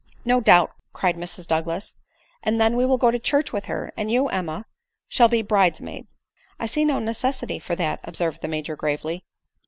" No doubt," cried Mrs Douglas ;" and then we wiD go to church with her, and you, Emma, shall be bride's maid." " I see no necessity for that," observed the Major gravely.